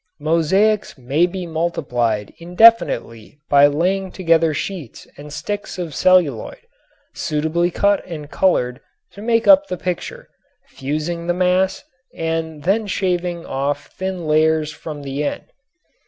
Mosaics may be multiplied indefinitely by laying together sheets and sticks of celluloid, suitably cut and colored to make up the picture, fusing the mass, and then shaving off thin layers from the end.